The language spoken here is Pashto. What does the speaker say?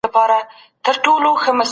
ناوړه هیلي نه پالل کېږي.